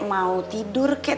mau tidur kek